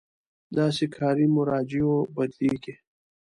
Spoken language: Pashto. داسې کاري مراجعو بدلېږي.